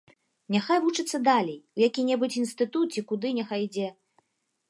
Няхай вучыцца далей, у які-небудзь інстытут ці куды няхай ідзе.